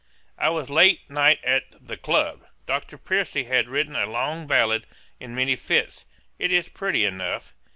'I was last night at THE CLUB. Dr. Percy has written a long ballad in many fits; it is pretty enough.